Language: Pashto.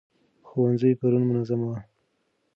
ښوونځي پرون منظم وو.